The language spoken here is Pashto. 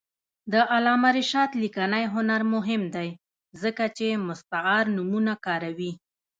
د علامه رشاد لیکنی هنر مهم دی ځکه چې مستعار نومونه کاروي.